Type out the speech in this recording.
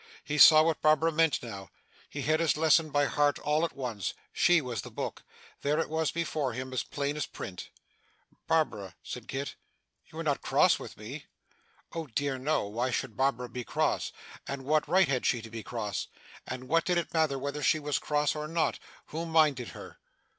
He saw what Barbara meant now he had his lesson by heart all at once she was the book there it was before him, as plain as print. 'Barbara,' said Kit, 'you're not cross with me?' Oh dear no! Why should Barbara be cross? And what right had she to be cross? And what did it matter whether she was cross or not? Who minded her!